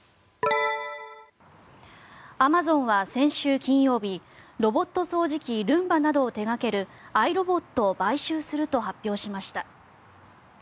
アマゾンは先週金曜日ロボット掃除機、ルンバなどを手掛けるアイロボットを買収すると発表しました。